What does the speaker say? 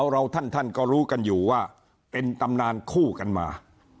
เราท่านก็รู้กันอยู่ว่าเป็นตำนานคู่กันมา